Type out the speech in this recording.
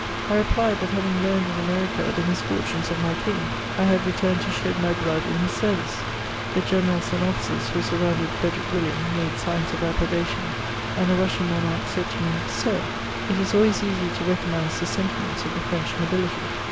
I replied, that having learned in Amecica the misfor* tones of my king, I had returned to Aed my hlood in hia ' senrice. The generals and officers who surrounded Frederic William made signs of approbation, and the F^usaan monaidii aaid to me, '^Sir, it is always easy to recognise tlie senisi ments of the French nobility.